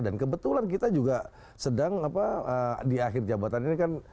dan kebetulan kita juga sedang di akhir jabatan ini kan